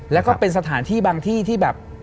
แล้วก็เป็นสถานที่บางที่ที่แบบ